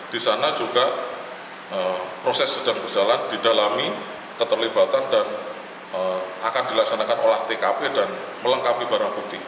di sana juga proses sedang berjalan didalami keterlibatan dan akan dilaksanakan olah tkp dan melengkapi barang bukti